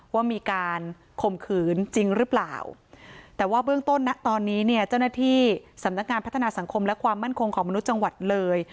ว่ามีการข่มขืนจริงหรือเปล่าแต่ว่าเบื้องต้นนะตอนนี้เนี่ยเจ้าหน้าที่สำนักงานพัฒนาสังคมและความมั่นคงของมนุษย์จังหวัดเลย